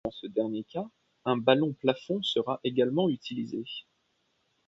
Dans ce dernier cas, un ballon-plafond sera également utilisé.